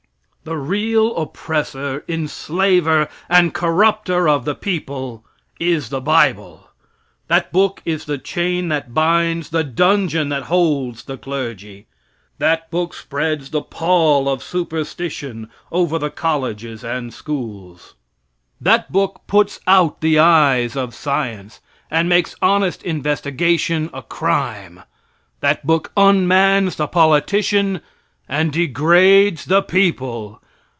The real oppressor, enslaver and corrupter of the people is the bible. That book is the chain that binds, the dungeon that holds the clergy. That book spreads the pall of superstition over the colleges and schools. That book puts out the eyes of science, and makes honest investigation a crime. That book unmans the politician and degrades the people.